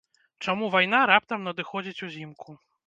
Чаму вайна раптам надыходзіць узімку?